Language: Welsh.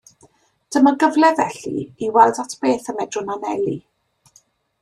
Dyma gyfle, felly, i weld at beth y medrwn anelu.